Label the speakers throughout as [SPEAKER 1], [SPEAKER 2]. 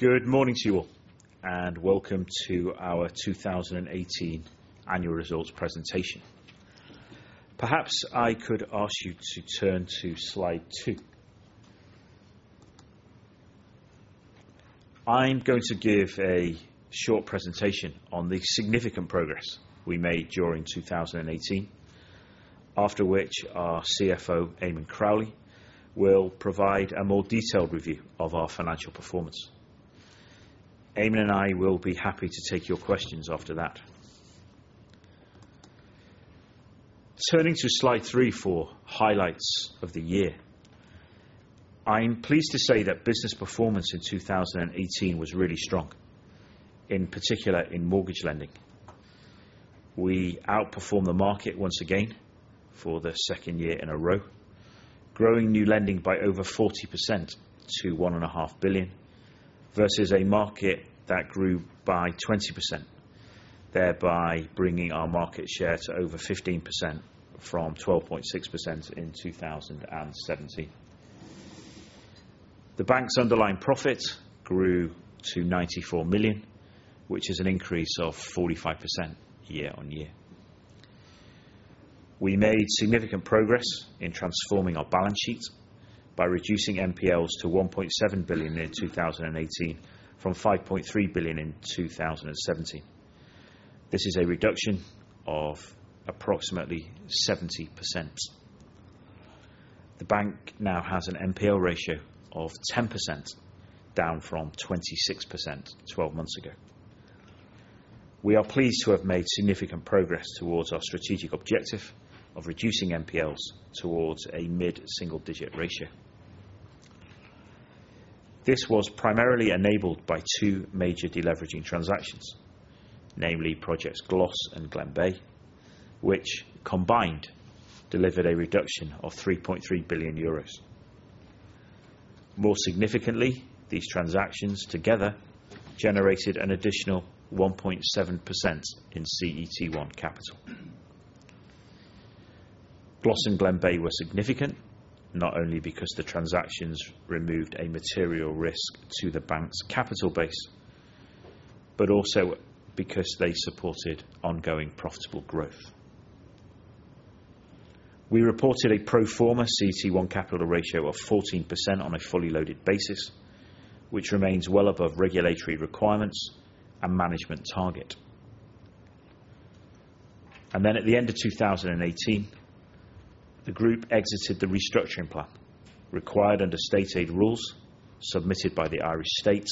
[SPEAKER 1] Good morning to you all, welcome to our 2018 annual results presentation. Perhaps I could ask you to turn to slide two. I am going to give a short presentation on the significant progress we made during 2018. After which, our CFO, Eamonn Crowley, will provide a more detailed review of our financial performance. Eamonn Crowley and I will be happy to take your questions after that. Turning to slide three for highlights of the year. I am pleased to say that business performance in 2018 was really strong, in particular, in mortgage lending. We outperformed the market once again for the second year in a row, growing new lending by over 40% to 1.5 billion, versus a market that grew by 20%, thereby bringing our market share to over 15% from 12.6% in 2017. The bank's underlying profit grew to 94 million, which is an increase of 45% year-on-year. We made significant progress in transforming our balance sheet by reducing NPLs to 1.7 billion in 2018 from 5.3 billion in 2017. This is a reduction of approximately 70%. The bank now has an NPL ratio of 10%, down from 26% 12 months ago. We are pleased to have made significant progress towards our strategic objective of reducing NPLs towards a mid-single-digit ratio. This was primarily enabled by two major deleveraging transactions, namely Project Glas and Project Glenbeigh, which combined delivered a reduction of 3.3 billion euros. More significantly, these transactions together generated an additional 1.7% in CET1 capital. Glas and Glenbeigh were significant, not only because the transactions removed a material risk to the bank's capital base, but also because they supported ongoing profitable growth. We reported a pro forma CET1 capital ratio of 14% on a fully loaded basis, which remains well above regulatory requirements and management target. At the end of 2018, the group exited the restructuring plan required under state aid rules submitted by the Irish state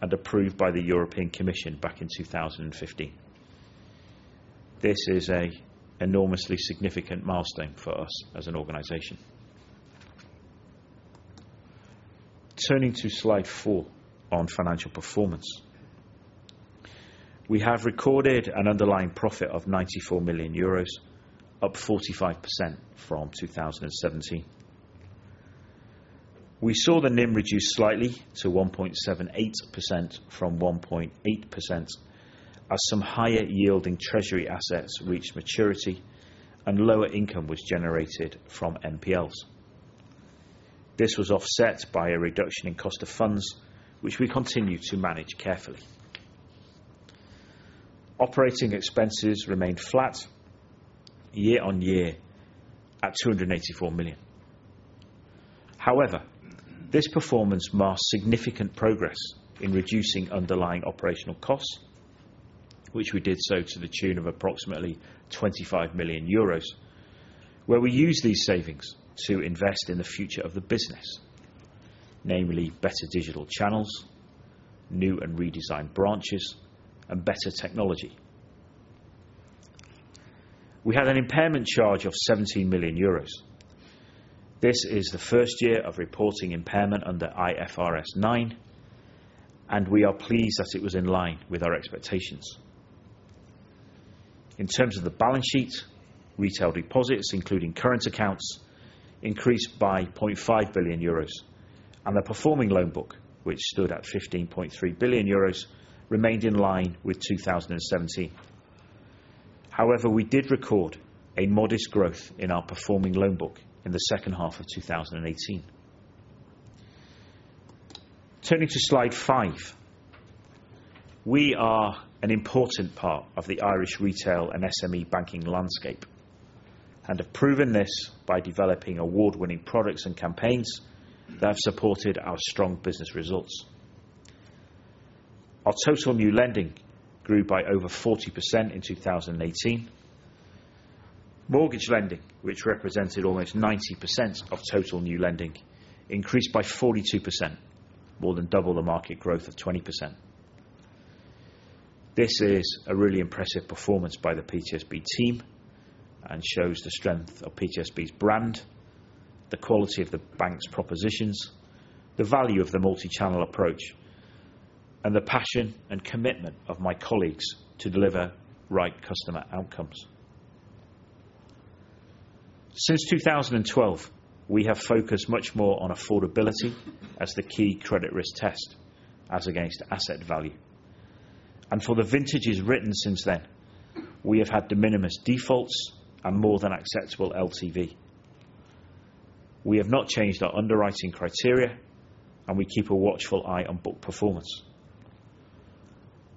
[SPEAKER 1] and approved by the European Commission back in 2015. This is an enormously significant milestone for us as an organization. Turning to slide four on financial performance. We have recorded an underlying profit of 94 million euros, up 45% from 2017. We saw the NIM reduce slightly to 1.78% from 1.8% as some higher yielding treasury assets reached maturity and lower income was generated from NPLs. This was offset by a reduction in cost of funds, which we continue to manage carefully. Operating expenses remained flat year-on-year at EUR 284 million. However, this performance masks significant progress in reducing underlying operational costs, which we did so to the tune of approximately 25 million euros, where we used these savings to invest in the future of the business. Namely, better digital channels, new and redesigned branches, and better technology. We had an impairment charge of 17 million euros. This is the first year of reporting impairment under IFRS 9, and we are pleased that it was in line with our expectations. In terms of the balance sheet, retail deposits, including current accounts, increased by 0.5 billion euros, and a performing loan book, which stood at 15.3 billion euros, remained in line with 2017. However, we did record a modest growth in our performing loan book in the second half of 2018. Turning to slide five. We are an important part of the Irish retail and SME banking landscape and have proven this by developing award-winning products and campaigns that have supported our strong business results. Our total new lending grew by over 40% in 2018. Mortgage lending, which represented almost 90% of total new lending, increased by 42%, more than double the market growth of 20%. This is a really impressive performance by the PTSB team and shows the strength of PTSB's brand, the quality of the bank's propositions, the value of the multi-channel approach, and the passion and commitment of my colleagues to deliver right customer outcomes. Since 2012, we have focused much more on affordability as the key credit risk test, as against asset value. For the vintages written since then, we have had de minimis defaults and more than acceptable LTV. We have not changed our underwriting criteria, and we keep a watchful eye on book performance.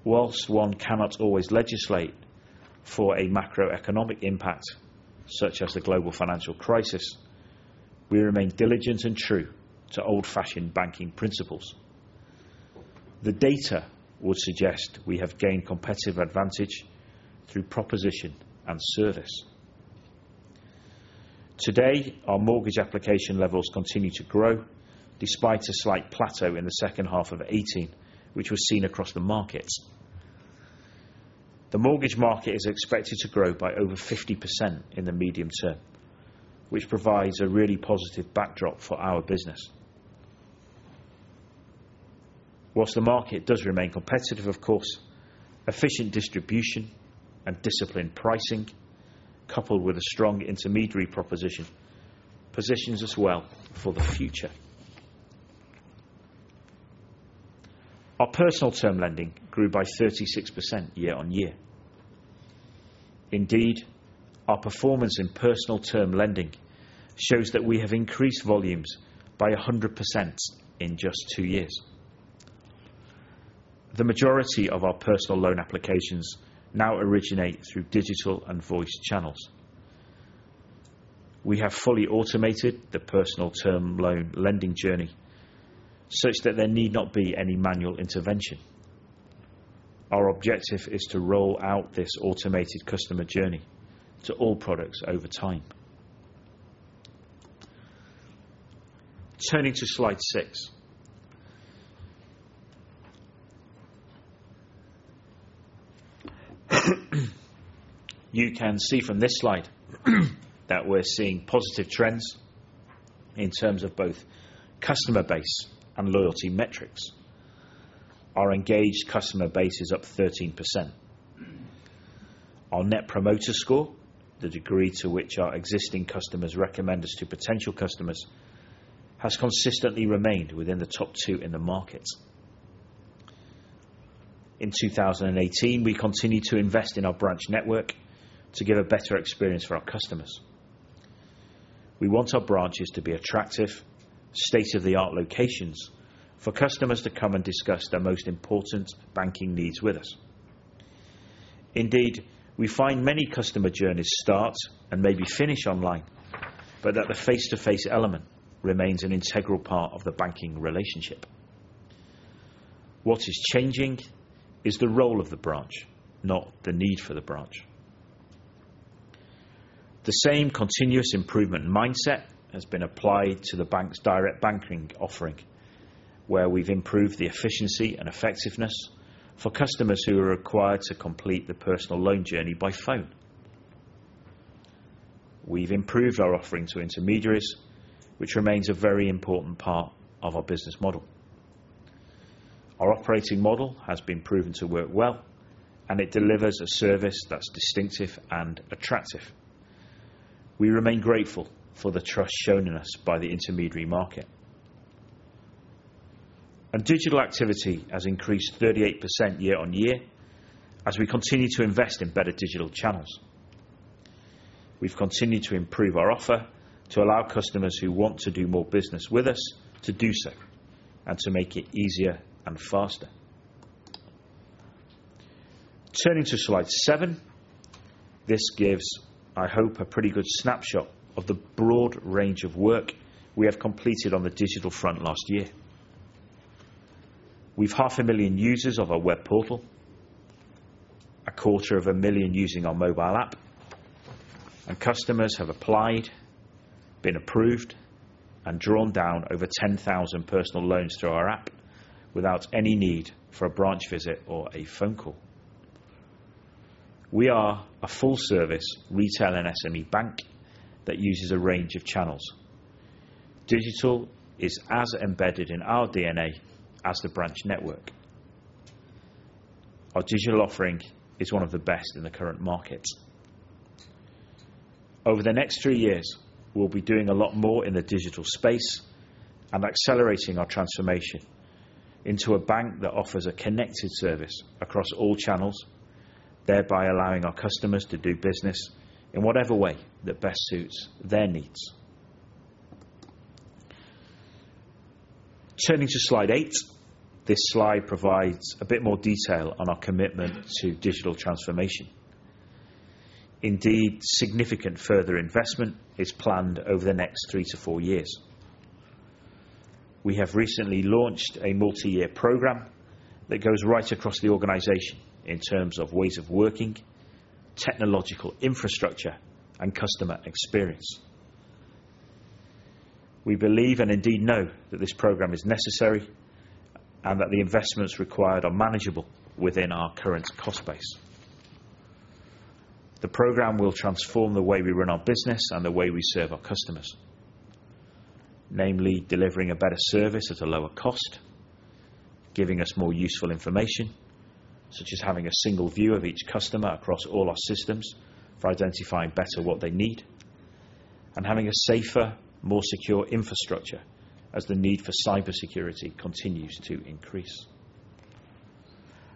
[SPEAKER 1] Whilst one cannot always legislate for a macroeconomic impact, such as the global financial crisis, we remain diligent and true to old-fashioned banking principles. The data would suggest we have gained competitive advantage through proposition and service. Today, our mortgage application levels continue to grow despite a slight plateau in the second half of 2018, which was seen across the markets. The mortgage market is expected to grow by over 50% in the medium term, which provides a really positive backdrop for our business. Whilst the market does remain competitive, of course, efficient distribution and disciplined pricing, coupled with a strong intermediary proposition, positions us well for the future. Our personal term lending grew by 36% year-on-year. Indeed, our performance in personal term lending shows that we have increased volumes by 100% in just two years. The majority of our personal loan applications now originate through digital and voice channels. We have fully automated the personal term loan lending journey such that there need not be any manual intervention. Our objective is to roll out this automated customer journey to all products over time. Turning to slide six. You can see from this slide that we're seeing positive trends in terms of both customer base and loyalty metrics. Our engaged customer base is up 13%. Our Net Promoter Score, the degree to which our existing customers recommend us to potential customers, has consistently remained within the top two in the markets. In 2018, we continued to invest in our branch network to give a better experience for our customers. We want our branches to be attractive, state-of-the-art locations for customers to come and discuss their most important banking needs with us. Indeed, we find many customer journeys start and maybe finish online, but that the face-to-face element remains an integral part of the banking relationship. What is changing is the role of the branch, not the need for the branch. The same continuous improvement mindset has been applied to the bank's direct banking offering, where we've improved the efficiency and effectiveness for customers who are required to complete the personal loan journey by phone. We've improved our offering to intermediaries, which remains a very important part of our business model. Our operating model has been proven to work well, and it delivers a service that's distinctive and attractive. We remain grateful for the trust shown in us by the intermediary market. Digital activity has increased 38% year-over-year as we continue to invest in better digital channels. We've continued to improve our offer to allow customers who want to do more business with us to do so, and to make it easier and faster. Turning to slide seven. This gives, I hope, a pretty good snapshot of the broad range of work we have completed on the digital front last year. We have half a million users of our web portal, a quarter of a million using our mobile app, and customers have applied, been approved, and drawn down over 10,000 personal loans through our app without any need for a branch visit or a phone call. We are a full-service retail and SME bank that uses a range of channels. Digital is as embedded in our DNA as the branch network. Our digital offering is one of the best in the current markets. Over the next three years, we'll be doing a lot more in the digital space and accelerating our transformation into a bank that offers a connected service across all channels, thereby allowing our customers to do business in whatever way that best suits their needs. Turning to slide eight. This slide provides a bit more detail on our commitment to digital transformation. Indeed, significant further investment is planned over the next three to four years. We have recently launched a multi-year program that goes right across the organization in terms of ways of working, technological infrastructure, and customer experience. We believe, and indeed know, that this program is necessary and that the investments required are manageable within our current cost base. The program will transform the way we run our business and the way we serve our customers. Namely, delivering a better service at a lower cost, giving us more useful information, such as having a single view of each customer across all our systems for identifying better what they need, and having a safer, more secure infrastructure as the need for cybersecurity continues to increase.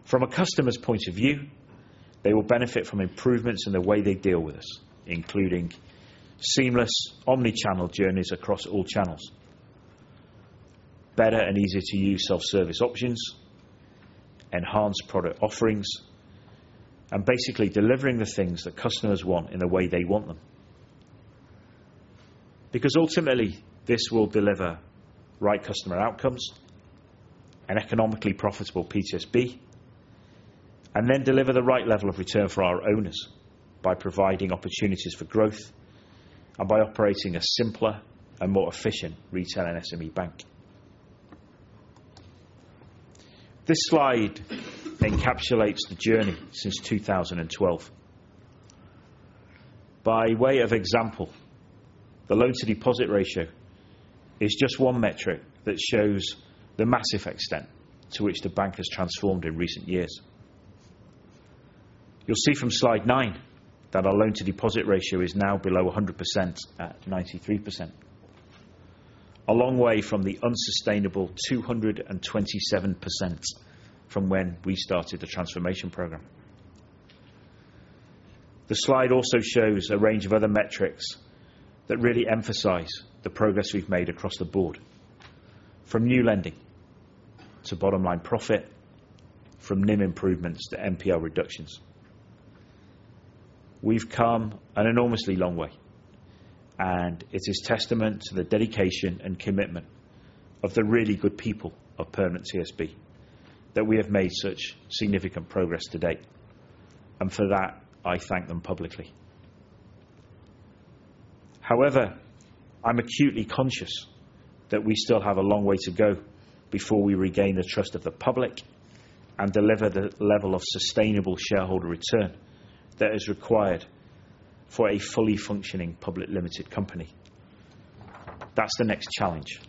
[SPEAKER 1] From a customer's point of view, they will benefit from improvements in the way they deal with us, including seamless omni-channel journeys across all channels, better and easier to use self-service options, enhanced product offerings, and basically delivering the things that customers want in the way they want them. Ultimately, this will deliver right customer outcomes and economically profitable PTSB, and then deliver the right level of return for our owners by providing opportunities for growth and by operating a simpler and more efficient retail and SME bank. This slide encapsulates the journey since 2012. By way of example, the loan-to-deposit ratio is just one metric that shows the massive extent to which the bank has transformed in recent years. You'll see from slide nine that our loan-to-deposit ratio is now below 100% at 93%, a long way from the unsustainable 227% from when we started the transformation program. The slide also shows a range of other metrics that really emphasize the progress we've made across the board, from new lending to bottom line profit, from NIM improvements to NPL reductions. We've come an enormously long way, and it is testament to the dedication and commitment of the really good people of Permanent TSB that we have made such significant progress to date, and for that, I thank them publicly. However, I'm acutely conscious that we still have a long way to go before we regain the trust of the public and deliver the level of sustainable shareholder return that is required for a fully functioning public limited company. That's the next challenge.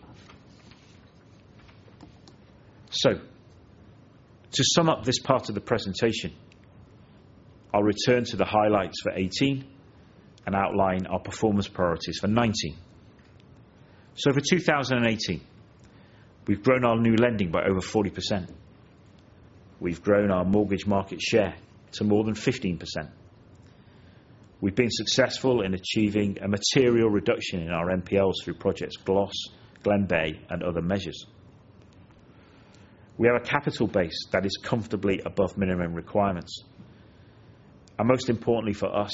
[SPEAKER 1] To sum up this part of the presentation, I'll return to the highlights for 2018 and outline our performance priorities for 2019. For 2018, we've grown our new lending by over 40%. We've grown our mortgage market share to more than 15%. We've been successful in achieving a material reduction in our NPLs through projects Glas, Glenbeigh, and other measures. We have a capital base that is comfortably above minimum requirements. Most importantly for us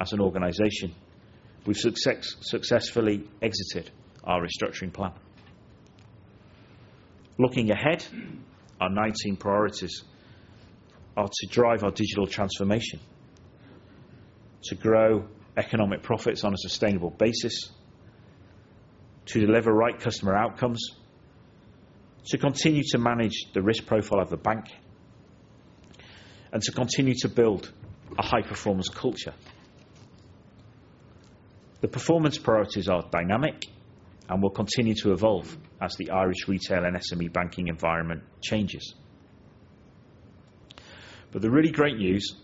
[SPEAKER 1] as an organization, we've successfully exited our restructuring plan. Looking ahead, our 2019 priorities are to drive our digital transformation, to grow economic profits on a sustainable basis, to deliver right customer outcomes, to continue to manage the risk profile of the bank, and to continue to build a high-performance culture. The performance priorities are dynamic and will continue to evolve as the Irish retail and SME banking environment changes. The really great news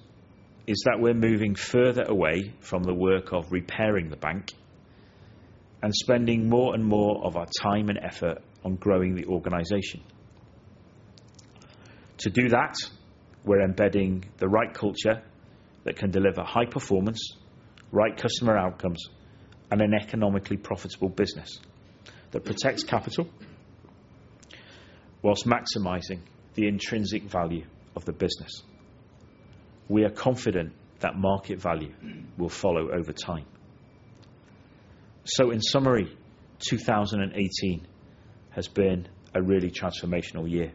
[SPEAKER 1] is that we're moving further away from the work of repairing the bank and spending more and more of our time and effort on growing the organization. To do that, we're embedding the right culture that can deliver high performance, right customer outcomes, and an economically profitable business that protects capital whilst maximizing the intrinsic value of the business. We are confident that market value will follow over time. In summary, 2018 has been a really transformational year.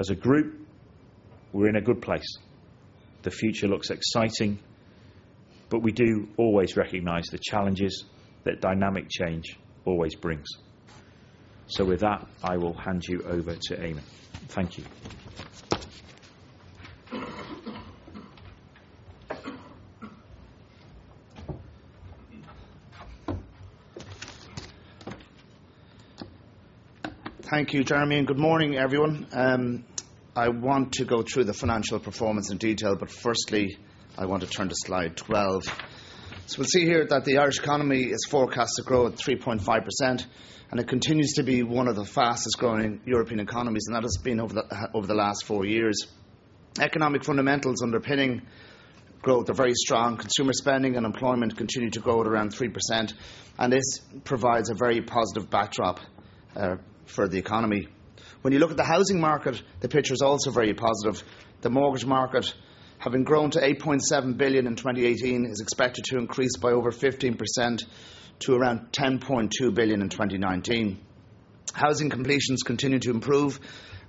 [SPEAKER 1] As a group, we're in a good place. The future looks exciting, but we do always recognize the challenges that dynamic change always brings. With that, I will hand you over to Eamonn Crowley. Thank you.
[SPEAKER 2] Thank you, Jeremy Masding, and good morning, everyone. I want to go through the financial performance in detail, but firstly, I want to turn to slide 12. We'll see here that the Irish economy is forecast to grow at 3.5%, and it continues to be one of the fastest-growing European economies, and that has been over the last four years. Economic fundamentals underpinning growth are very strong. Consumer spending and employment continue to grow at around 3%, and this provides a very positive backdrop for the economy. When you look at the housing market, the picture is also very positive. The mortgage market, having grown to 8.7 billion in 2018, is expected to increase by over 15% to around 10.2 billion in 2019. Housing completions continue to improve,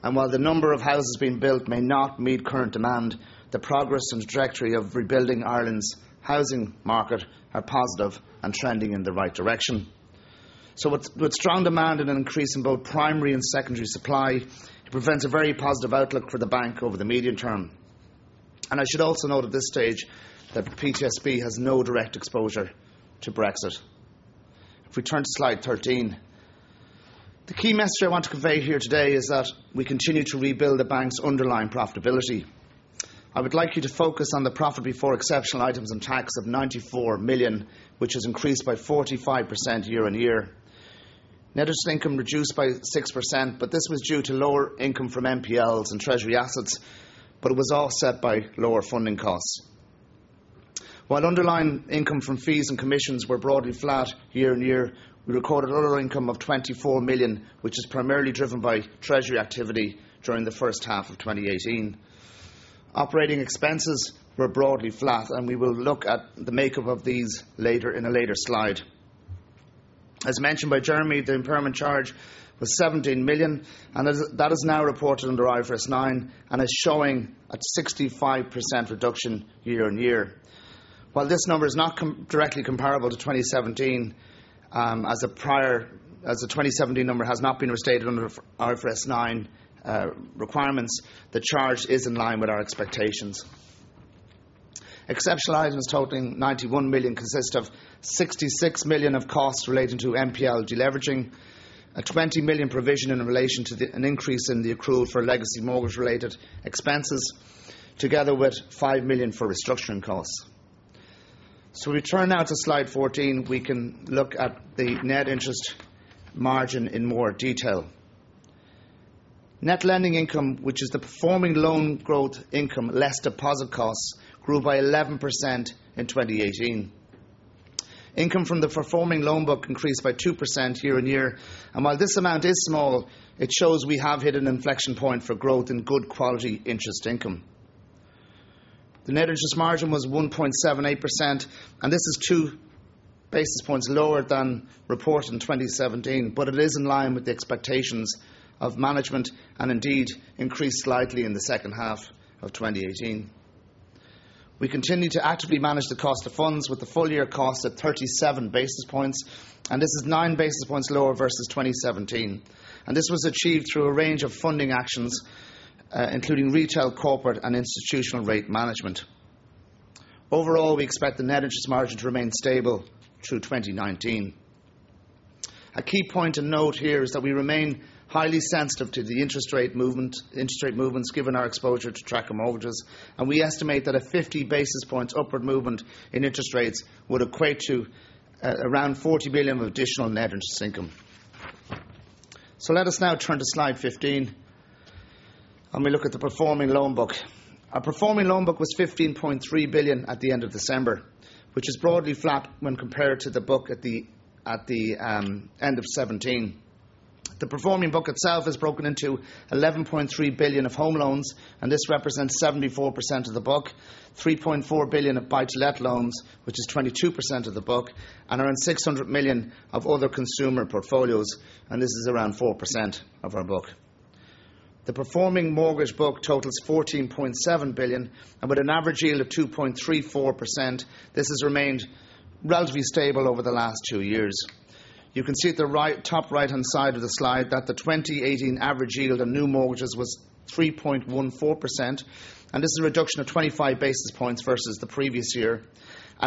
[SPEAKER 2] while the number of houses being built may not meet current demand, the progress and trajectory of rebuilding Ireland's housing market are positive and trending in the right direction. With strong demand and an increase in both primary and secondary supply, it prevents a very positive outlook for the bank over the medium term. I should also note at this stage that PTSB has no direct exposure to Brexit. If we turn to slide 13. The key message I want to convey here today is that we continue to rebuild the bank's underlying profitability. I would like you to focus on the profit before exceptional items and tax of 94 million, which has increased by 45% year-on-year. Net interest income reduced by 6%, but this was due to lower income from NPLs and Treasury assets, but it was offset by lower funding costs. While underlying income from fees and commissions were broadly flat year-on-year, we recorded other income of 24 million, which is primarily driven by Treasury activity during the first half of 2018. Operating expenses were broadly flat, and we will look at the makeup of these later in a later slide. As mentioned by Jeremy Masding, the impairment charge was 17 million, that is now reported under IFRS 9 and is showing at 65% reduction year-on-year. While this number is not directly comparable to 2017, as the 2017 number has not been restated under IFRS 9 requirements, the charge is in line with our expectations. Exceptional items totaling 91 million consist of 66 million of costs relating to NPL de-leveraging, a 20 million provision in relation to an increase in the accrual for legacy mortgage-related expenses, together with 5 million for restructuring costs. We turn now to slide 14. We can look at the net interest margin in more detail. Net lending income, which is the performing loan growth income less deposit costs, grew by 11% in 2018. Income from the performing loan book increased by 2% year-on-year. While this amount is small, it shows we have hit an inflection point for growth in good quality interest income. The net interest margin was 1.78%, this is 2 basis points lower than reported in 2017, but it is in line with the expectations of management and indeed increased slightly in the second half of 2018. We continue to actively manage the cost of funds with the full-year cost at 37 basis points, this is 9 basis points lower versus 2017. This was achieved through a range of funding actions, including retail, corporate, and institutional rate management. Overall, we expect the net interest margin to remain stable through 2019. A key point to note here is that we remain highly sensitive to the interest rate movements given our exposure to tracker mortgages, and we estimate that a 50 basis points upward movement in interest rates would equate to around 40 million of additional net interest income. Let us now turn to slide 15, we look at the performing loan book. Our performing loan book was 15.3 billion at the end of December, which is broadly flat when compared to the book at the end of 2017. The performing book itself is broken into 11.3 billion of home loans. This represents 74% of the book, 3.4 billion of buy-to-let loans, which is 22% of the book, and around 600 million of other consumer portfolios. This is around 4% of our book. The performing mortgage book totals 14.7 billion. With an average yield of 2.34%, this has remained relatively stable over the last two years. You can see at the top right-hand side of the slide that the 2018 average yield on new mortgages was 3.14%. This is a reduction of 25 basis points versus the previous year.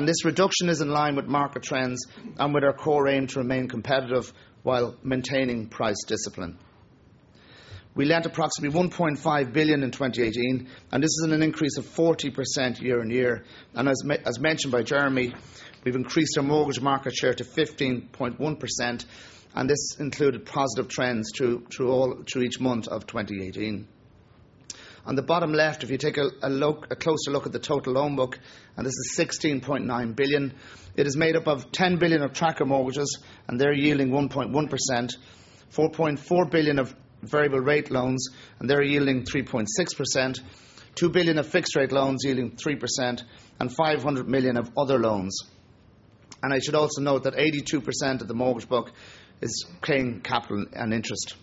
[SPEAKER 2] This reduction is in line with market trends and with our core aim to remain competitive while maintaining price discipline. We lent approximately 1.5 billion in 2018. This is an increase of 40% year-on-year. As mentioned by Jeremy Masding, we have increased our mortgage market share to 15.1%. This included positive trends through each month of 2018. On the bottom left, if you take a closer look at the total loan book, and this is 16.9 billion, it is made up of 10 billion of tracker mortgages, and they are yielding 1.1%, 4.4 billion of variable rate loans, and they are yielding 3.6%, 2 billion of fixed rate loans yielding 3%, and 500 million of other loans. I should also note that 82% of the mortgage book is paying capital and interest.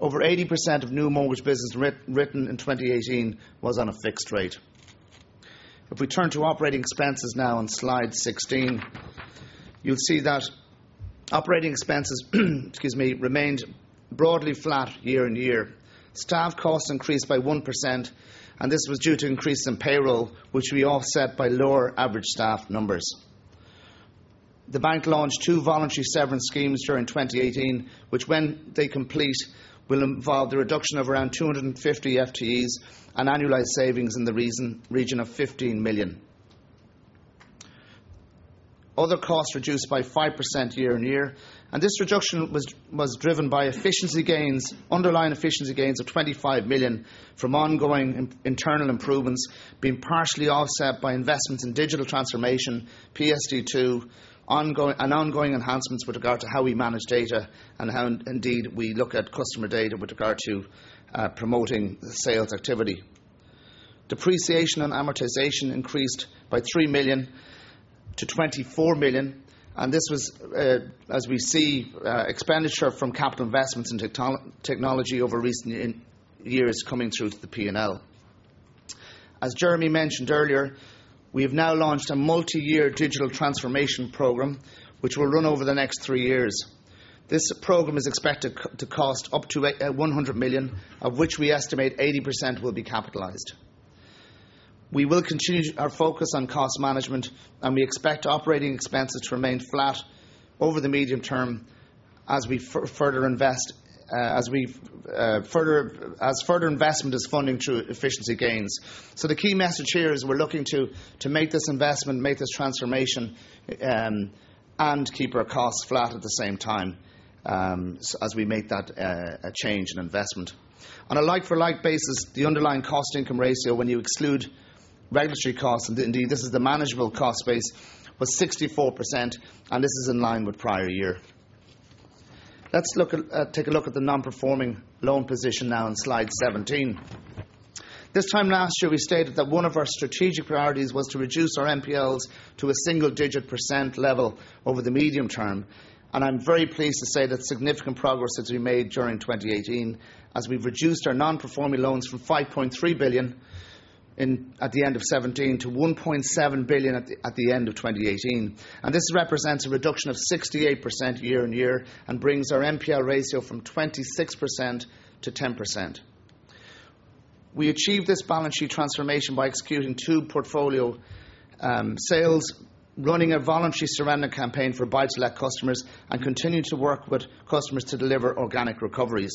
[SPEAKER 2] Over 80% of new mortgage business written in 2018 was on a fixed rate. If we turn to operating expenses now on slide 16, you will see that operating expenses, excuse me, remained broadly flat year-over-year. Staff costs increased by 1%. This was due to increase in payroll, which we offset by lower average staff numbers. The bank launched two voluntary severance schemes during 2018, which, when they complete, will involve the reduction of around 250 FTEs, an annualized savings in the region of 15 million. Other costs reduced by 5% year-on-year. This reduction was driven by efficiency gains, underlying efficiency gains of 25 million from ongoing internal improvements being partially offset by investments in digital transformation, PSD2, and ongoing enhancements with regard to how we manage data and how indeed we look at customer data with regard to promoting sales activity. Depreciation and amortization increased by 3 million to 24 million. This was, as we see, expenditure from capital investments in technology over recent years coming through to the P&L. As Jeremy Masding mentioned earlier, we have now launched a multi-year digital transformation program, which will run over the next three years. This program is expected to cost up to 100 million, of which we estimate 80% will be capitalized. We will continue our focus on cost management and we expect operating expenses to remain flat over the medium term as further investment is funding through efficiency gains. The key message here is we are looking to make this investment, make this transformation, and keep our costs flat at the same time as we make that change in investment. On a like-for-like basis, the underlying cost income ratio, when you exclude regulatory costs, indeed this is the manageable cost base, was 64%. This is in line with prior year. Let us take a look at the non-performing loan position now on slide 17. This time last year, we stated that one of our strategic priorities was to reduce our NPLs to a single-digit percent level over the medium term. I'm very pleased to say that significant progress has been made during 2018 as we've reduced our non-performing loans from 5.3 billion at the end of 2017 to 1.7 billion at the end of 2018. This represents a reduction of 68% year-on-year and brings our NPL ratio from 26% to 10%. We achieved this balance sheet transformation by executing two portfolio sales, running a voluntary surrender campaign for buy-to-let customers, and continuing to work with customers to deliver organic recoveries.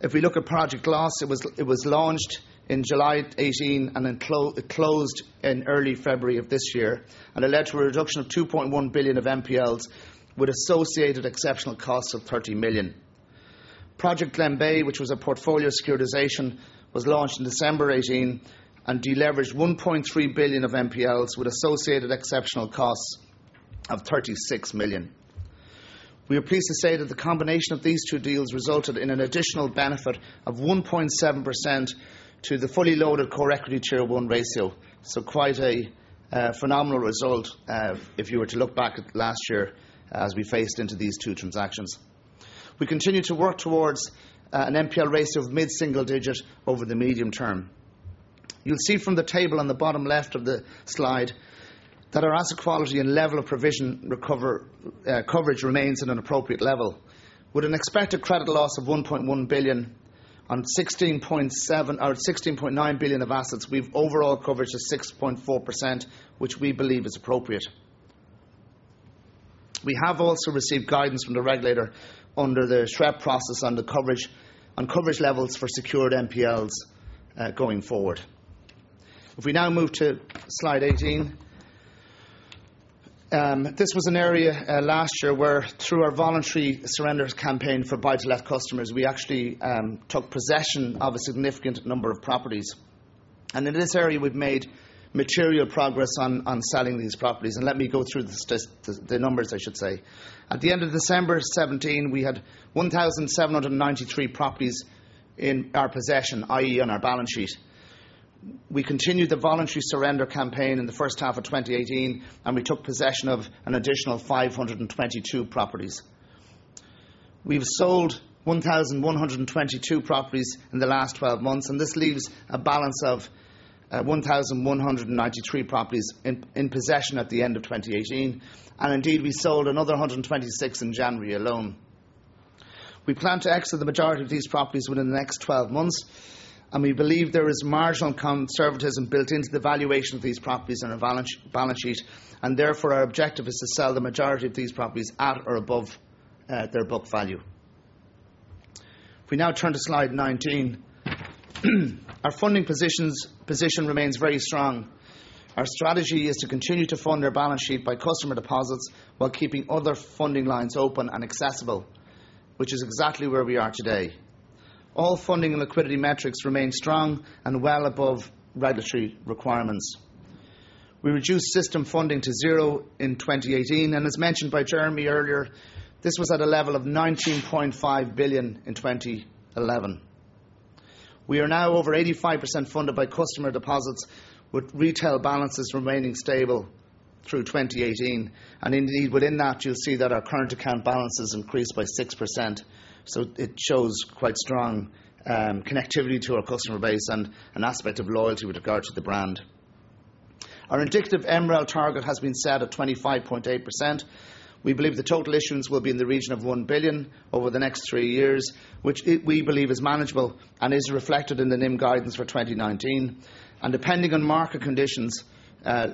[SPEAKER 2] If we look at Project Glas, it was launched in July 2018, and it closed in early February of this year and it led to a reduction of 2.1 billion of NPLs with associated exceptional costs of 30 million. Project Glenbeigh, which was a portfolio securitization, was launched in December 2018 and de-leveraged 1.3 billion of NPLs with associated exceptional costs of 36 million. We are pleased to say that the combination of these two deals resulted in an additional benefit of 1.7% to the fully loaded Core Equity Tier 1 ratio, quite a phenomenal result if you were to look back at last year as we faced into these two transactions. We continue to work towards an NPL ratio of mid-single digit over the medium term. You'll see from the table on the bottom left of the slide that our asset quality and level of provision coverage remains at an appropriate level. With an expected credit loss of 1.1 billion on 16.9 billion of assets, we've overall coverage of 6.4%, which we believe is appropriate. We have also received guidance from the regulator under the SREP process on coverage levels for secured NPLs, going forward. We now move to slide 18, this was an area last year where through our voluntary surrender campaign for buy-to-let customers, we actually took possession of a significant number of properties. In this area, we've made material progress on selling these properties, and let me go through the numbers, I should say. At the end of December 2017, we had 1,793 properties in our possession, i.e., on our balance sheet. We continued the voluntary surrender campaign in the first half of 2018, and we took possession of an additional 522 properties. We've sold 1,122 properties in the last 12 months, and this leaves a balance of 1,193 properties in possession at the end of 2018. Indeed, we sold another 126 in January alone. We plan to exit the majority of these properties within the next 12 months, we believe there is marginal conservatism built into the valuation of these properties on our balance sheet, therefore, our objective is to sell the majority of these properties at or above their book value. We now turn to slide 19, our funding position remains very strong. Our strategy is to continue to fund our balance sheet by customer deposits while keeping other funding lines open and accessible, which is exactly where we are today. All funding and liquidity metrics remain strong and well above regulatory requirements. We reduced system funding to zero in 2018, and as mentioned by Jeremy Masding earlier, this was at a level of 19.5 billion in 2011. We are now over 85% funded by customer deposits, with retail balances remaining stable through 2018. Within that, you'll see that our current account balance has increased by 6%, so it shows quite strong connectivity to our customer base and an aspect of loyalty with regard to the brand. Our indicative MREL target has been set at 25.8%. We believe the total issuance will be in the region of 1 billion over the next three years, which we believe is manageable and is reflected in the NIM guidance for 2019. Depending on market conditions through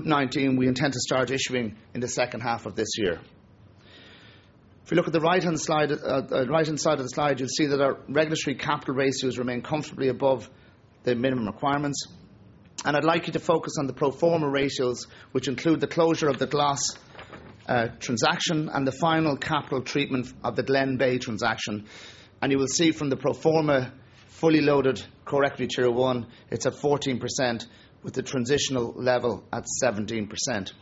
[SPEAKER 2] 2019, we intend to start issuing in the second half of this year. If you look at the right-hand side of the slide, you'll see that our regulatory capital ratios remain comfortably above the minimum requirements. I'd like you to focus on the pro forma ratios, which include the closure of the Glas transaction and the final capital treatment of the Glenbeigh transaction. You will see from the pro forma fully loaded Core Equity Tier 1, it's at 14% with the transitional level at 17%.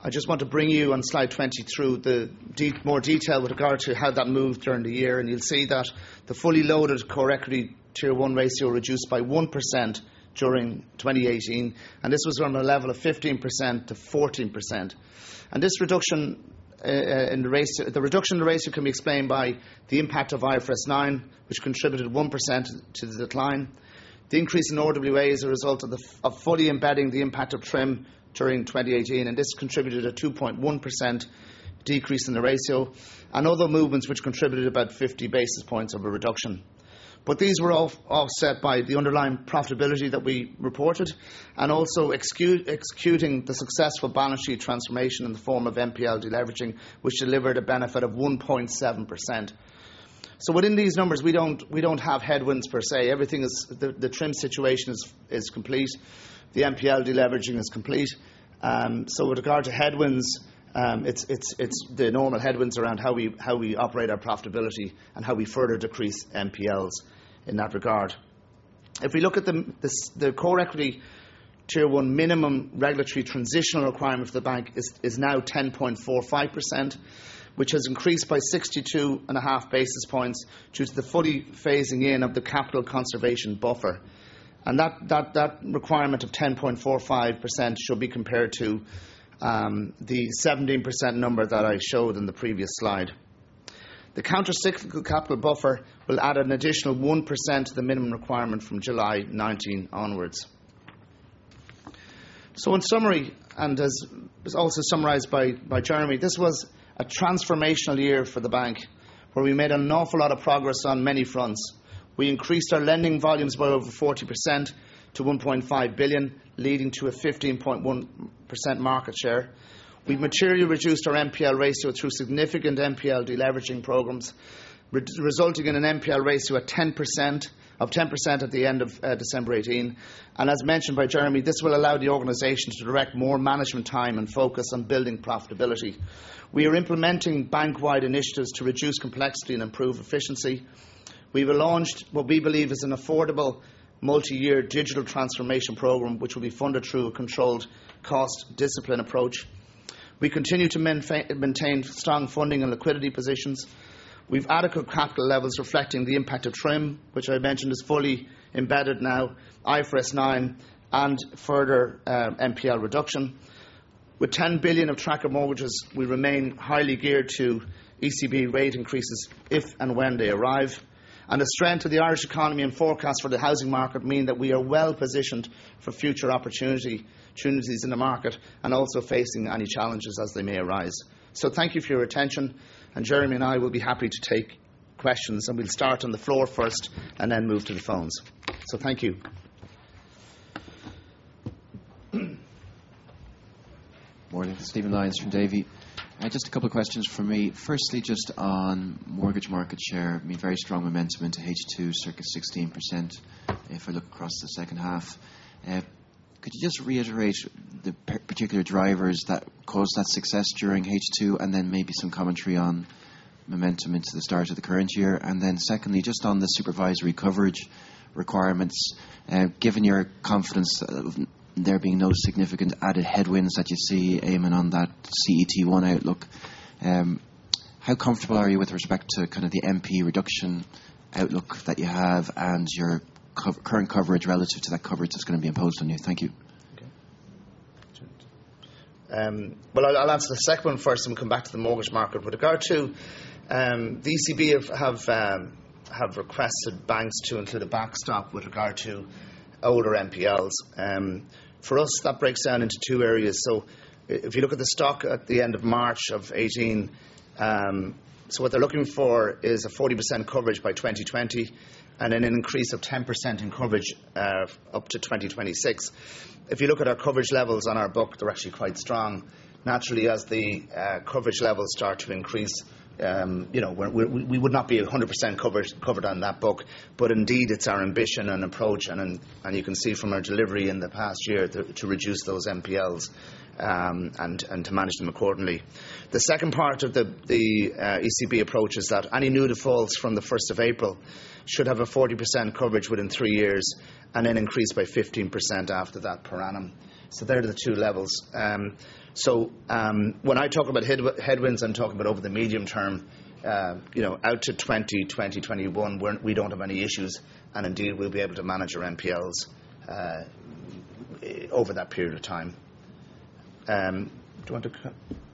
[SPEAKER 2] I just want to bring you on slide 20 through more detail with regard to how that moved during the year, and you'll see that the fully loaded Core Equity Tier 1 ratio reduced by 1% during 2018, and this was from a level of 15% to 14%. The reduction in the ratio can be explained by the impact of IFRS 9, which contributed 1% to the decline. The increase in RWA is a result of fully embedding the impact of TRIM during 2018, and this contributed a 2.1% decrease in the ratio, and other movements which contributed about 50 basis points of a reduction. These were all offset by the underlying profitability that we reported, and also executing the successful balance sheet transformation in the form of NPL deleveraging, which delivered a benefit of 1.7%. Within these numbers, we don't have headwinds per se. The TRIM situation is complete. The NPL deleveraging is complete. With regard to headwinds, it's the normal headwinds around how we operate our profitability and how we further decrease NPLs in that regard. If we look at the Core Equity Tier 1 minimum regulatory transitional requirement for the bank is now 10.45%, which has increased by 62.5 basis points due to the fully phasing in of the Capital Conservation Buffer. That requirement of 10.45% should be compared to the 17% number that I showed in the previous slide. The Countercyclical Capital Buffer will add an additional 1% to the minimum requirement from July 2019 onwards. In summary, and as was also summarized by Jeremy Masding, this was a transformational year for the bank, where we made an awful lot of progress on many fronts. We increased our lending volumes by over 40% to 1.5 billion, leading to a 15.1% market share. We've materially reduced our NPL ratio through significant NPL deleveraging programs, resulting in an NPL ratio of 10% at the end of December 2018. As mentioned by Jeremy Masding, this will allow the organization to direct more management time and focus on building profitability. We are implementing bank-wide initiatives to reduce complexity and improve efficiency. We've launched what we believe is an affordable multi-year digital transformation program, which will be funded through a controlled cost discipline approach. We continue to maintain strong funding and liquidity positions. We've adequate capital levels reflecting the impact of TRIM, which I mentioned is fully embedded now, IFRS 9, and further NPL reduction. With 10 billion of tracker mortgages, we remain highly geared to ECB rate increases if and when they arrive. The strength of the Irish economy and forecast for the housing market mean that we are well-positioned for future opportunities in the market and also facing any challenges as they may arise. Thank you for your attention, and Jeremy Masding and I will be happy to take questions, and we'll start on the floor first and then move to the phones. Thank you.
[SPEAKER 3] Morning. Stephen Lyons from Davy. Just a couple of questions from me. Firstly, just on mortgage market share, very strong momentum into H2, circa 16%, if we look across the second half. Could you just reiterate the particular drivers that caused that success during H2 and then maybe some commentary on momentum into the start of the current year? Secondly, just on the supervisory coverage requirements, given your confidence there being no significant added headwinds that you see aiming on that CET1 outlook, how comfortable are you with respect to kind of the NPL reduction outlook that you have and your current coverage relative to that coverage that's going to be imposed on you? Thank you.
[SPEAKER 2] Okay. I'll answer the second one first and we'll come back to the mortgage market. With regard to the ECB have requested banks to include a backstop with regard to older NPLs. For us, that breaks down into two areas. If you look at the stock at the end of March of 2018, what they're looking for is a 40% coverage by 2020 and an increase of 10% in coverage up to 2026. If you look at our coverage levels on our book, they're actually quite strong. Naturally, as the coverage levels start to increase, we would not be 100% covered on that book. Indeed, it's our ambition and approach, and you can see from our delivery in the past year, to reduce those NPLs, and to manage them accordingly. The second part of the ECB approach is that any new defaults from the 1st of April should have a 40% coverage within three years, and then increase by 15% after that per annum. They're the two levels. When I talk about headwinds, I'm talking about over the medium term, out to 2020, 2021, we don't have any issues, and indeed, we'll be able to manage our NPLs over that period of time. Do you want to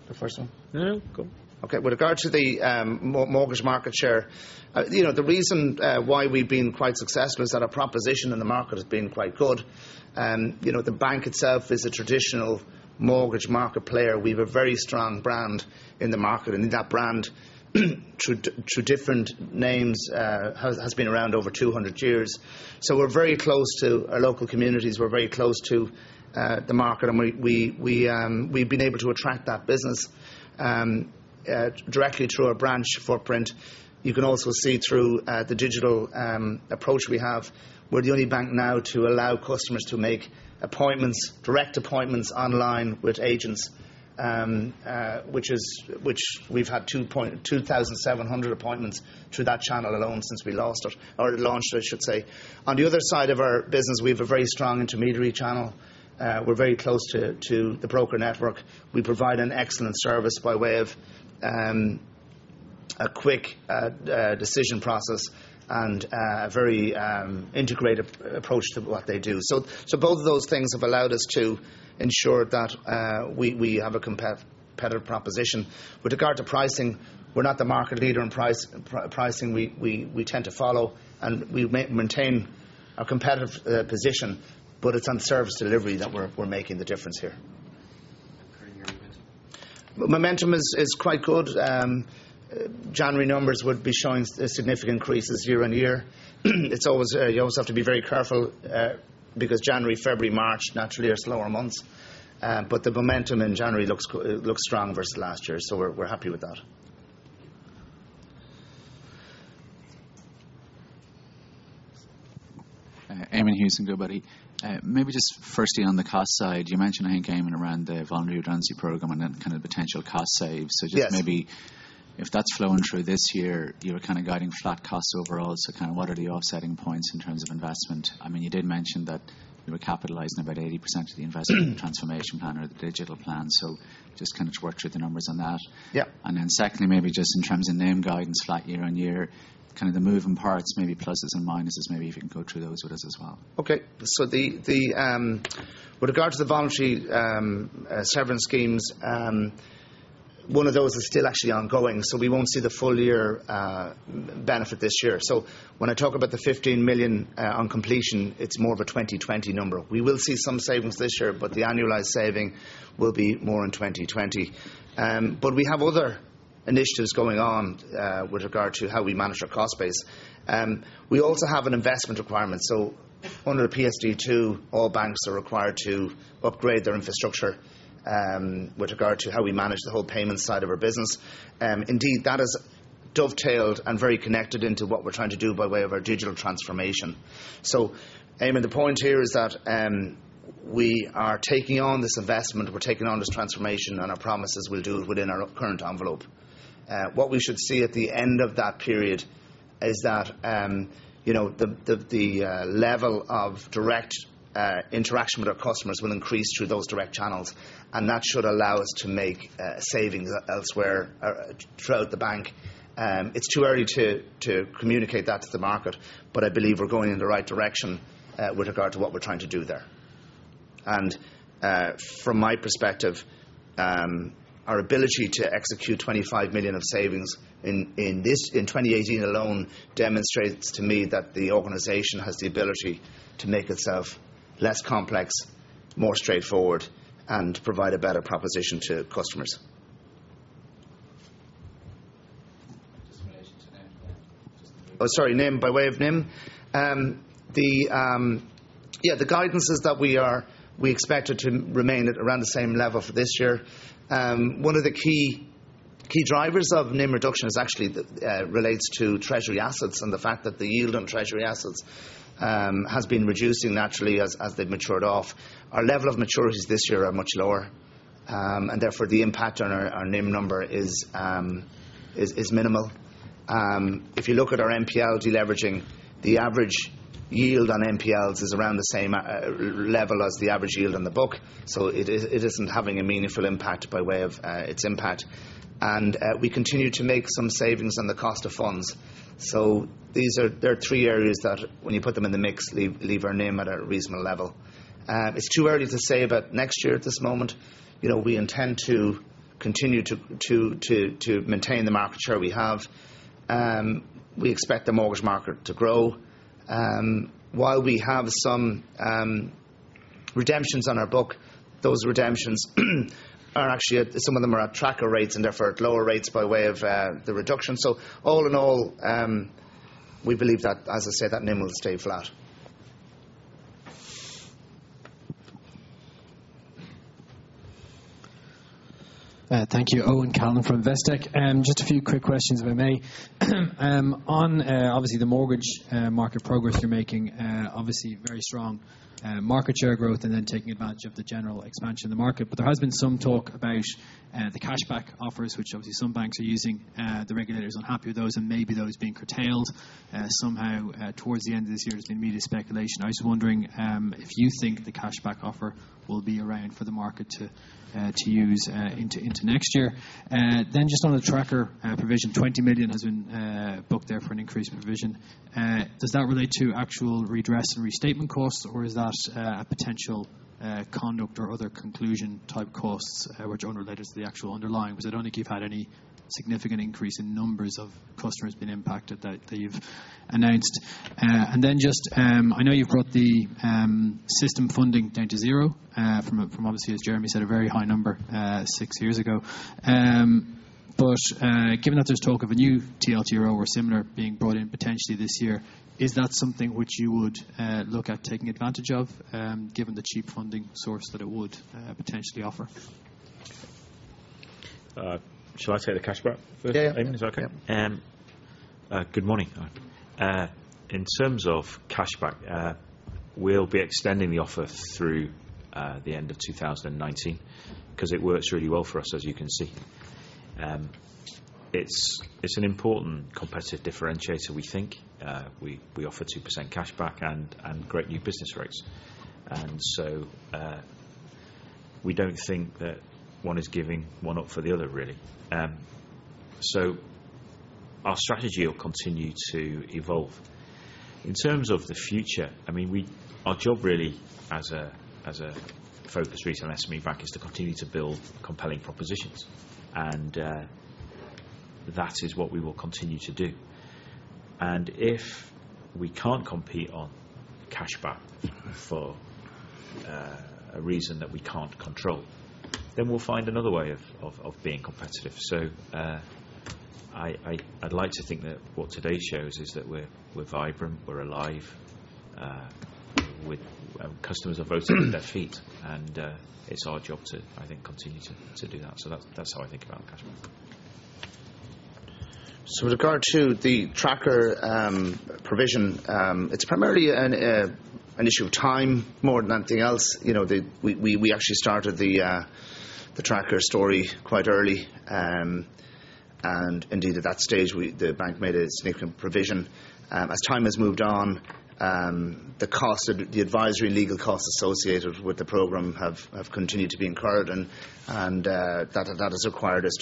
[SPEAKER 2] the first one?
[SPEAKER 1] No, go.
[SPEAKER 2] Okay. With regard to the mortgage market share, you know, the reason why we've been quite successful is that our proposition in the market has been quite good. The bank itself is a traditional mortgage market player. We have a very strong brand in the market, and that brand, through different names, has been around over 200 years. We're very close to our local communities. We're very close to the market, and we've been able to attract that business directly through our branch footprint. You can also see through the digital approach we have, we're the only bank now to allow customers to make direct appointments online with agents, which we've had 2,700 appointments through that channel alone since we launched it. On the other side of our business, we have a very strong intermediary channel. We're very close to the broker network. We provide an excellent service by way of a quick decision process and a very integrated approach to what they do. Both of those things have allowed us to ensure that we have a competitive proposition. With regard to pricing, we're not the market leader in pricing. We tend to follow, and we maintain a competitive position, but it's on service delivery that we're making the difference here.
[SPEAKER 3] Current year momentum?
[SPEAKER 2] Momentum is quite good. January numbers would be showing significant increases year-on-year. You always have to be very careful, because January, February, March naturally are slower months. The momentum in January looks strong versus last year, so we're happy with that.
[SPEAKER 4] Eamonn Hughes from Goodbody. Maybe just firstly, on the cost side, you mentioned, I think, Eamonn Crowley, around the voluntary redundancy program and then potential cost saves.
[SPEAKER 2] Yes.
[SPEAKER 4] Just maybe if that's flowing through this year, you were kind of guiding flat costs overall. What are the offsetting points in terms of investment? You did mention that you were capitalizing about 80% of the investment transformation plan or the digital plan. Just kind of to work through the numbers on that.
[SPEAKER 2] Yeah.
[SPEAKER 4] Secondly, maybe just in terms of NIM guidance flat year-on-year, the moving parts, maybe pluses and minuses, maybe if you can go through those with us as well.
[SPEAKER 2] With regard to the voluntary severance schemes, one of those is still actually ongoing, so we won't see the full year benefit this year. When I talk about the 15 million on completion, it's more of a 2020 number. We will see some savings this year, but the annualized saving will be more in 2020. We have other initiatives going on, with regard to how we manage our cost base. We also have an investment requirement. Under PSD2, all banks are required to upgrade their infrastructure, with regard to how we manage the whole payments side of our business. Indeed, that has dovetailed and very connected into what we're trying to do by way of our digital transformation. Eamonn Hughes, the point here is that, we are taking on this investment, we're taking on this transformation, and our promise is we'll do it within our current envelope. What we should see at the end of that period is that the level of direct interaction with our customers will increase through those direct channels, and that should allow us to make savings elsewhere throughout the bank. It's too early to communicate that to the market, but I believe we're going in the right direction with regard to what we're trying to do there. From my perspective, our ability to execute 25 million of savings in 2018 alone demonstrates to me that the organization has the ability to make itself less complex, more straightforward, and provide a better proposition to customers.
[SPEAKER 4] Just in relation to NIM. Just the movement
[SPEAKER 2] Oh, sorry, NIM. By way of NIM. The guidance is that we expect it to remain at around the same level for this year. One of the key drivers of NIM reduction is actually relates to Treasury assets and the fact that the yield on Treasury assets has been reducing naturally as they've matured off. Our level of maturities this year are much lower, therefore, the impact on our NIM number is minimal. If you look at our NPL deleveraging, the average yield on NPLs is around the same level as the average yield on the book, so it isn't having a meaningful impact by way of its impact. We continue to make some savings on the cost of funds. There are three areas that, when you put them in the mix, leave our NIM at a reasonable level. It's too early to say about next year at this moment. We intend to continue to maintain the market share we have. We expect the mortgage market to grow. While we have some redemptions on our book, those redemptions, actually some of them are at tracker rates and therefore at lower rates by way of the reduction. All in all, we believe that, as I said, that NIM will stay flat.
[SPEAKER 5] Thank you. Owen Callan from Investec. Just a few quick questions, if I may. On obviously the mortgage market progress you're making, obviously very strong market share growth and then taking advantage of the general expansion in the market. There has been some talk about the cashback offers, which obviously some banks are using. The regulator's unhappy with those and maybe those being curtailed somehow towards the end of this year, is the immediate speculation. I was just wondering if you think the cashback offer will be around for the market to use into next year. Just on the tracker provision, 20 million has been booked there for an increase in provision. Does that relate to actual redress and restatement costs, or is that a potential conduct or other conclusion-type costs which are unrelated to the actual underlying? I don't think you've had any significant increase in numbers of customers been impacted that you've announced. Just, I know you've brought the system funding down to zero, from obviously, as Jeremy Masding said, a very high number six years ago. Given that there's talk of a new TLTRO or similar being brought in potentially this year, is that something which you would look at taking advantage of, given the cheap funding source that it would potentially offer?
[SPEAKER 1] Shall I take the cashback first, Eamonn Crowley?
[SPEAKER 2] Yeah.
[SPEAKER 1] Is that okay?
[SPEAKER 2] Yeah.
[SPEAKER 1] Good morning. In terms of cashback, we'll be extending the offer through the end of 2019 because it works really well for us, as you can see. It's an important competitive differentiator, we think. We offer 2% cashback and great new business rates. We don't think that one is giving one up for the other, really. Our strategy will continue to evolve. In terms of the future, our job really as a focused retail and SME bank is to continue to build compelling propositions, and that is what we will continue to do. If we can't compete on cashback for a reason that we can't control, then we'll find another way of being competitive. I'd like to think that what today shows is that we're vibrant, we're alive, customers are voting with their feet. It's our job to, I think, continue to do that. That's how I think about cashback.
[SPEAKER 2] With regard to the tracker provision, it's primarily an issue of time more than anything else. We actually started the tracker story quite early. Indeed, at that stage, the bank made a significant provision. As time has moved on, the advisory and legal costs associated with the program have continued to be incurred and that has required us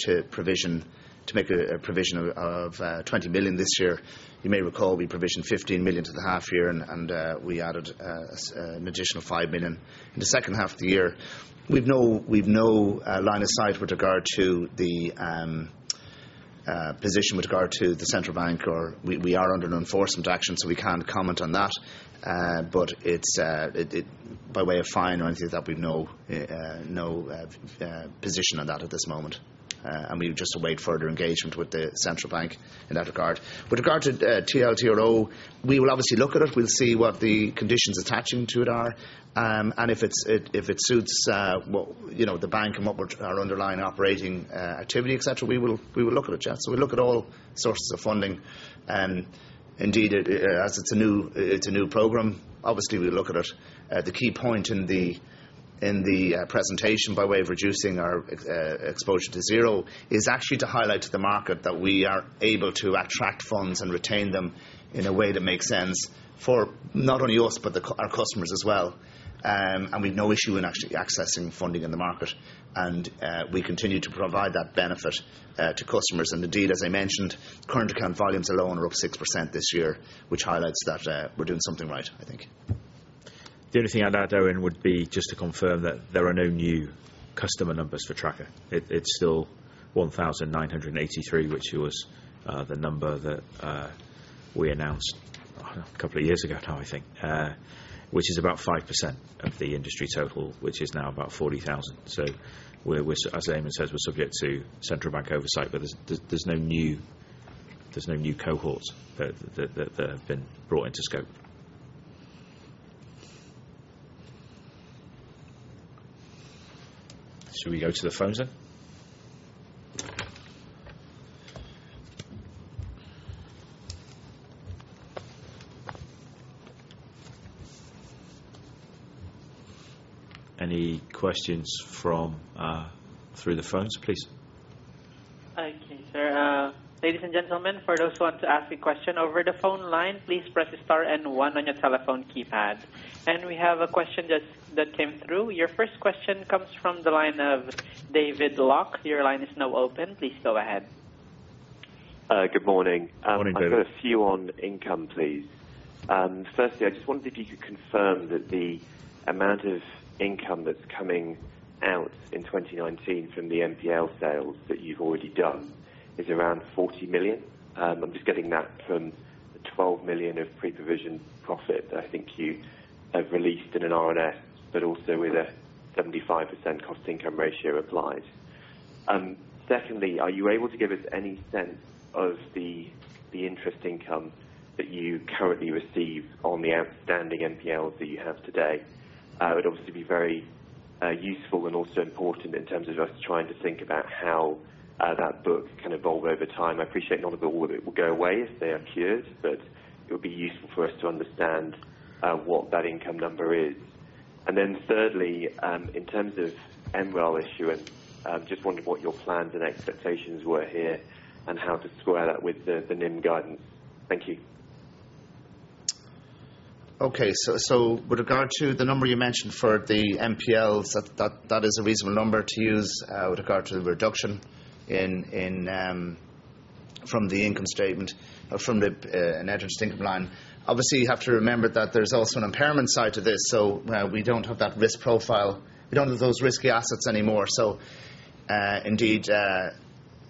[SPEAKER 2] to make a provision of 20 million this year. You may recall we provisioned 15 million to the half year, and we added an additional 5 million in the second half of the year. We've no line of sight with regard to the position with regard to the Central Bank. We are under an enforcement action, so we can't comment on that. By way of fine or anything like that, we've no position on that at this moment. We just await further engagement with the Central Bank in that regard. With regard to TLTRO, we will obviously look at it. We'll see what the conditions attaching to it are, and if it suits the bank and what our underlying operating activity, et cetera, we will look at it, yeah. We look at all sources of funding. Indeed, as it's a new program, obviously we look at it. The key point in the presentation, by way of reducing our exposure to zero, is actually to highlight to the market that we are able to attract funds and retain them in a way that makes sense for not only us, but our customers as well. We've no issue in actually accessing funding in the market and we continue to provide that benefit to customers. Indeed, as I mentioned, current account volumes alone are up 6% this year, which highlights that we're doing something right, I think.
[SPEAKER 1] The only thing I'd add, Owen Callan, would be just to confirm that there are no new customer numbers for tracker. It's still 1,983, which was the number that we announced a couple of years ago now, I think, which is about 5% of the industry total, which is now about 40,000. As Eamonn Crowley says, we're subject to Central Bank oversight, but there's no new cohorts that have been brought into scope. Shall we go to the phones then? Any questions through the phones, please?
[SPEAKER 6] Thank you, sir. Ladies and gentlemen, for those who want to ask a question over the phone line, please press star and one on your telephone keypad. We have a question that came through. Your first question comes from the line of David Locke. Your line is now open. Please go ahead.
[SPEAKER 7] Good morning.
[SPEAKER 1] Morning, David Locke.
[SPEAKER 7] I've got a few on income, please. Firstly, I just wondered if you could confirm that the amount of income that's coming out in 2019 from the NPL sales that you've already done is around 40 million. I'm just getting that from the 12 million of pre-provision profit that I think you have released in an RNS, but also with a 75% cost income ratio applied. Secondly, are you able to give us any sense of the interest income that you currently receive on the outstanding NPL that you have today? It would obviously be very useful and also important in terms of us trying to think about how that book can evolve over time. I appreciate not all of it will go away if they are cured, but it would be useful for us to understand what that income number is. Thirdly, in terms of MREL issue, I just wondered what your plans and expectations were here and how to square that with the NIM guidance. Thank you.
[SPEAKER 2] Okay. With regard to the number you mentioned for the NPLs, that is a reasonable number to use with regard to the reduction from the income statement or from the net interest income line. Obviously, you have to remember that there's also an impairment side to this, so we don't have that risk profile. We don't have those risky assets anymore. Indeed,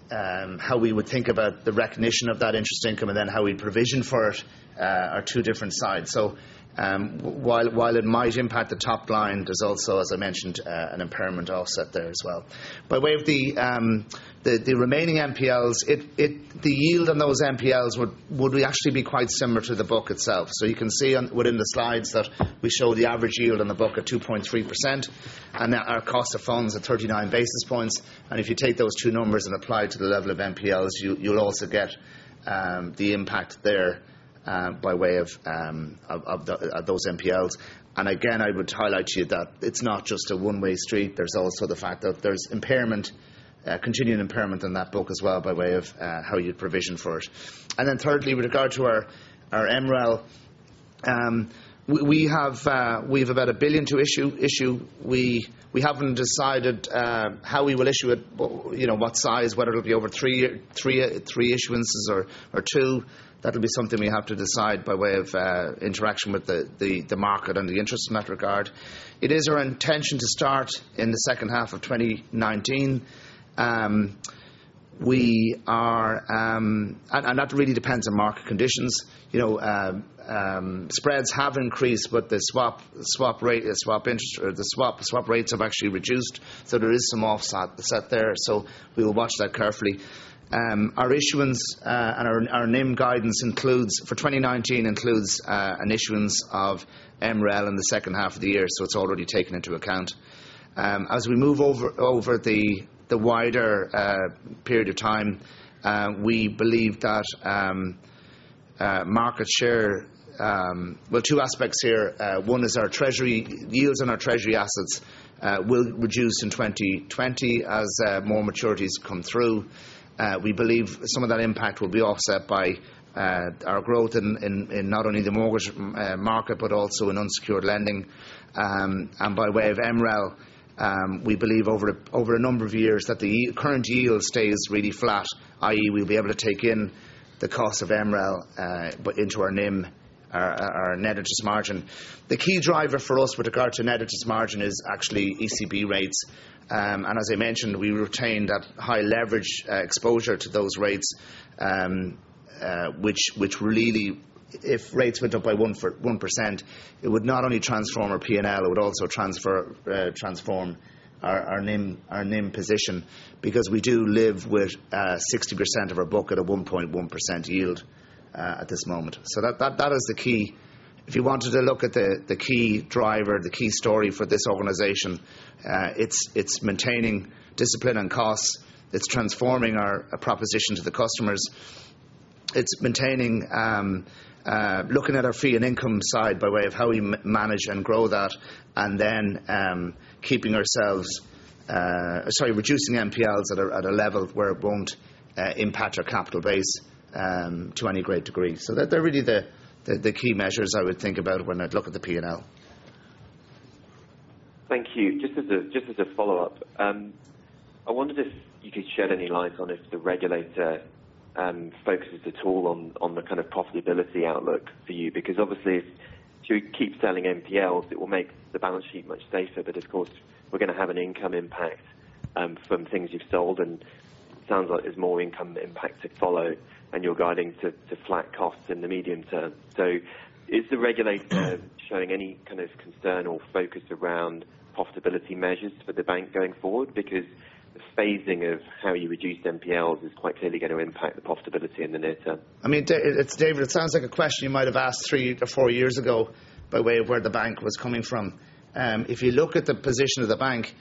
[SPEAKER 2] how we would think about the recognition of that interest income and then how we provision for it are two different sides. While it might impact the top line, there's also, as I mentioned, an impairment offset there as well. By way of the remaining NPLs, the yield on those NPLs would actually be quite similar to the book itself. You can see within the slides that we show the average yield on the book at 2.3%, and our cost of funds at 39 basis points. If you take those two numbers and apply to the level of NPLs, you'll also get the impact there by way of those NPLs. Again, I would highlight to you that it's not just a one-way street. There's also the fact that there's continuing impairment in that book as well by way of how you provision for it. Thirdly, with regard to our MREL, we have about 1 billion to issue. We haven't decided how we will issue it, what size, whether it'll be over three issuances or two. That'll be something we have to decide by way of interaction with the market and the interest in that regard. It is our intention to start in the second half of 2019 and that really depends on market conditions. Spreads have increased, but the swap rates have actually reduced, there is some offset there. We will watch that carefully. Our issuance and our NIM guidance for 2019 includes an issuance of MREL in the second half of the year, it's already taken into account. As we move over the wider period of time, we believe that market share. Well, two aspects here. One is our treasury yields and our treasury assets will reduce in 2020 as more maturities come through. We believe some of that impact will be offset by our growth in not only the mortgage market, but also in unsecured lending. By way of MREL, we believe over a number of years that the current yield stays really flat, i.e., we'll be able to take in the cost of MREL into our NIM, our net interest margin. The key driver for us with regard to net interest margin is actually ECB rates. As I mentioned, we retain that high leverage exposure to those rates, which really, if rates went up by 1%, it would not only transform our P&L, it would also transform our NIM position, because we do live with 60% of our book at a 1.1% yield at this moment. That is the key. If you wanted to look at the key driver, the key story for this organization, it's maintaining discipline and costs. It's transforming our proposition to the customers. It's maintaining looking at our fee and income side by way of how we manage and grow that, and then reducing NPLs at a level where it won't impact our capital base to any great degree. They're really the key measures I would think about when I'd look at the P&L.
[SPEAKER 7] Thank you. Just as a follow-up, I wonder if you could shed any light on if the regulator focuses at all on the kind of profitability outlook for you. Obviously, if you keep selling NPLs, it will make the balance sheet much safer, but of course, we're going to have an income impact from things you've sold, and it sounds like there's more income impact to follow, and you're guiding to flat costs in the medium term. Is the regulator showing any kind of concern or focus around profitability measures for the bank going forward? Because the phasing of how you reduce NPLs is quite clearly going to impact the profitability in the near term.
[SPEAKER 2] David Locke, it sounds like a question you might have asked three to four years ago by way of where the bank was coming from. If you look at the position of the bank,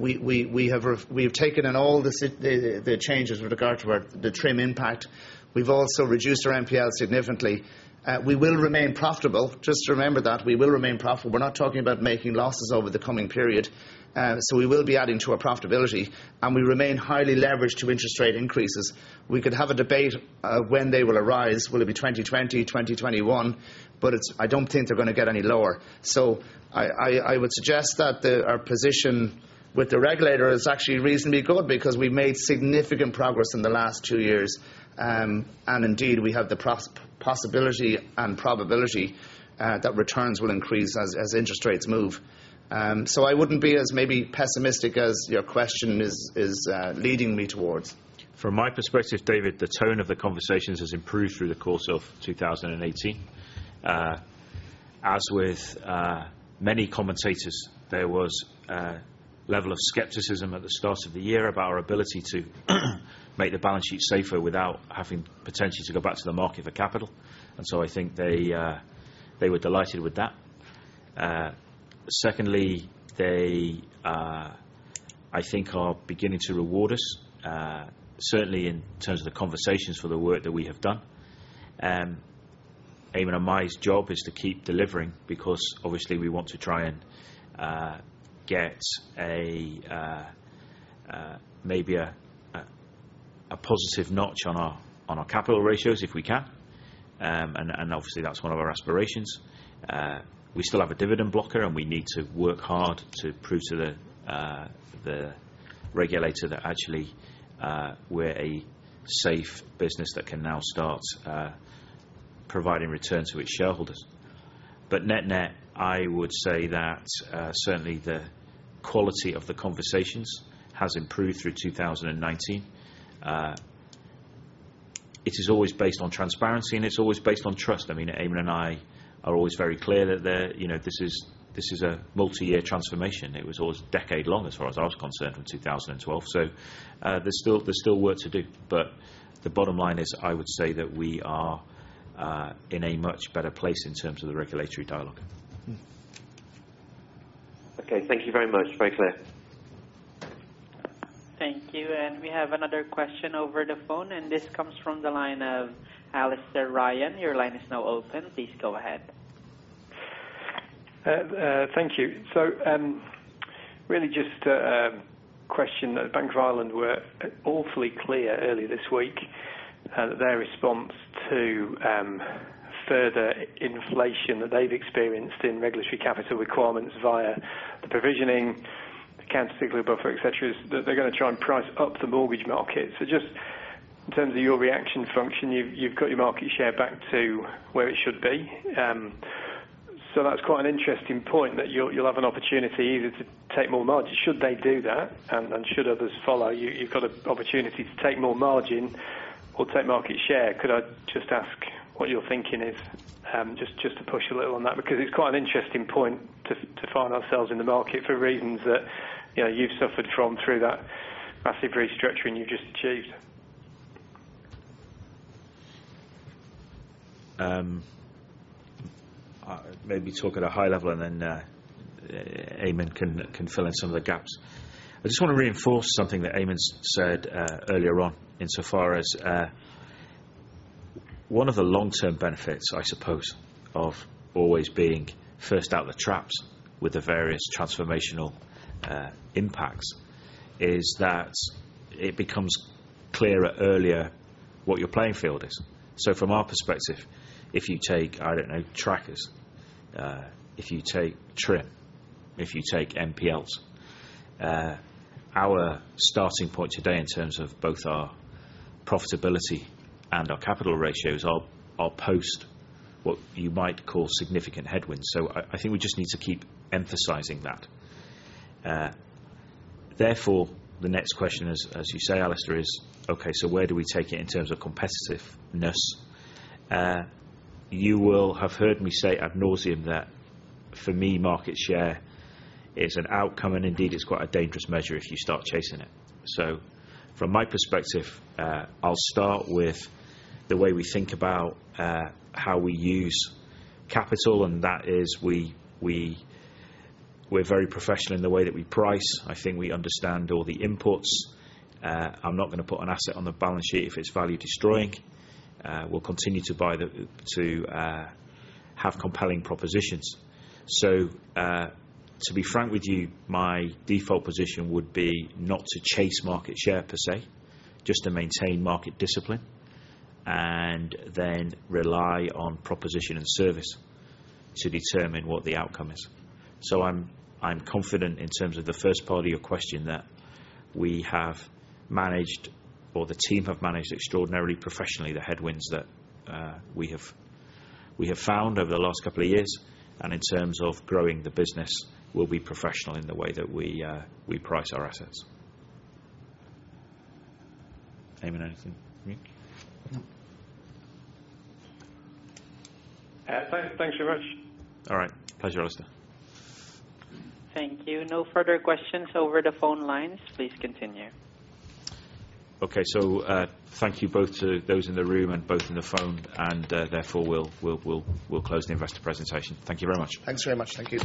[SPEAKER 2] we've taken in all the changes with regard to the TRIM impact. We've also reduced our NPLs significantly. We will remain profitable. Just remember that, we will remain profitable. We're not talking about making losses over the coming period. We will be adding to our profitability, and we remain highly leveraged to interest rate increases. We could have a debate when they will arise. Will it be 2020, 2021? I don't think they're going to get any lower. I would suggest that our position with the regulator is actually reasonably good because we've made significant progress in the last two years, and indeed, we have the possibility and probability that returns will increase as interest rates move. I wouldn't be as maybe pessimistic as your question is leading me towards.
[SPEAKER 1] From my perspective, David Locke, the tone of the conversations has improved through the course of 2018. As with many commentators, there was a level of skepticism at the start of the year about our ability to make the balance sheet safer without having potential to go back to the market for capital. I think they were delighted with that. Secondly, they, I think, are beginning to reward us, certainly in terms of the conversations for the work that we have done. Eamonn Crowley and my job is to keep delivering because obviously we want to try and get maybe a positive notch on our capital ratios if we can. Obviously, that's one of our aspirations. We still have a dividend blocker, and we need to work hard to prove to the regulator that actually we're a safe business that can now start providing return to its shareholders. Net net, I would say that certainly the quality of the conversations has improved through 2019. It is always based on transparency, and it's always based on trust. Eamonn Crowley and I are always very clear that this is a multi-year transformation. It was always a decade long, as far as I was concerned, from 2012. There's still work to do, but the bottom line is I would say that we are in a much better place in terms of the regulatory dialogue.
[SPEAKER 7] Okay, thank you very much. Very clear.
[SPEAKER 6] Thank you. We have another question over the phone, and this comes from the line of Alistair Ryan. Your line is now open. Please go ahead.
[SPEAKER 8] Thank you. Really just a question that Bank of Ireland were awfully clear earlier this week that their response to further inflation that they've experienced in regulatory capital requirements via the provisioning, the Countercyclical Capital Buffer, et cetera, is that they're going to try and price up the mortgage market. Just in terms of your reaction function, you've got your market share back to where it should be. That's quite an interesting point that you'll have an opportunity either to take more margin should they do that and should others follow. You've got an opportunity to take more margin or take market share. Could I just ask what your thinking is? Just to push a little on that because it's quite an interesting point to find ourselves in the market for reasons that you've suffered from through that massive restructuring you just achieved.
[SPEAKER 1] Maybe talk at a high level and then Eamonn Crowley can fill in some of the gaps. I just want to reinforce something that Eamonn Crowley said earlier on insofar as one of the long-term benefits, I suppose, of always being first out the traps with the various transformational impacts, is that it becomes clearer earlier what your playing field is. From our perspective, if you take, I don't know, trackers, if you take TRIM, if you take NPLs, our starting point today in terms of both our profitability and our capital ratios are post what you might call significant headwinds. I think we just need to keep emphasizing that. Therefore, the next question is, as you say, Alistair Ryan, is, okay, where do we take it in terms of competitiveness? You will have heard me say ad nauseam that for me, market share is an outcome, and indeed, it's quite a dangerous measure if you start chasing it. From my perspective, I'll start with the way we think about how we use capital, and that is we're very professional in the way that we price. I think we understand all the inputs. I'm not going to put an asset on the balance sheet if it's value destroying. We'll continue to have compelling propositions. To be frank with you, my default position would be not to chase market share, per se, just to maintain market discipline and then rely on proposition and service to determine what the outcome is. I'm confident in terms of the first part of your question that we have managed, or the team have managed extraordinarily professionally the headwinds that we have found over the last couple of years, and in terms of growing the business, we'll be professional in the way that we price our assets. Eamonn Crowley, anything from you?
[SPEAKER 2] No.
[SPEAKER 8] Thanks very much.
[SPEAKER 1] All right. Pleasure, Alistair Ryan.
[SPEAKER 6] Thank you. No further questions over the phone lines. Please continue.
[SPEAKER 1] Okay. Thank you both to those in the room and both on the phone, and therefore we'll close the investor presentation. Thank you very much.
[SPEAKER 2] Thanks very much. Thank you.